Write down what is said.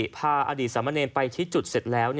พาอดีตสามเณรไปที่จุดเสร็จแล้ว